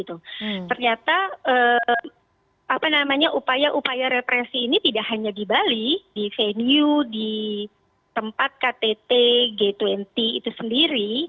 ternyata upaya upaya represi ini tidak hanya di bali di venue di tempat ktt g dua puluh itu sendiri